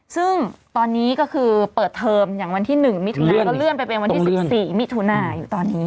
ซึ่งตอนนี้ก็คือเปิดเทิมอย่างวันที่หนึ่งมิถุนายนแล้วก็เลื่อนไปเป็นวันที่สิบสี่มิถุนายนอยู่ตอนนี้